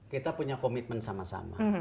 kita punya komitmen sama sama